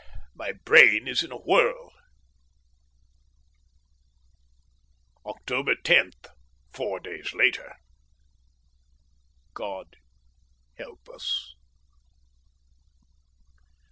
My brain is in a whirl. Oct. 10 (four days later). God help us!